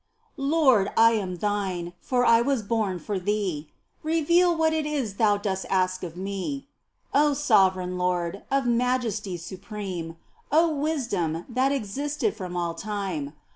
Lord, I am Thine, for I was born for Thee ! Reveal what is it Thou dost ask of me. O sovereign Lord, of majesty supreme ! O Wisdom, that existed from all time